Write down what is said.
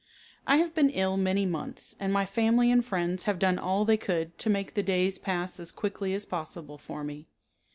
I have been ill many months, and my family and friends have done all they could to make the days pass as quickly as possible for me.